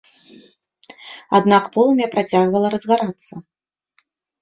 Аднак полымя працягвала разгарацца.